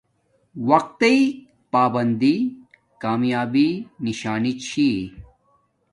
وقت تݵ پابندی کامیابی نشانی چھی